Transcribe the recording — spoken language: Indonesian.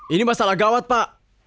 ini masalah gawat pak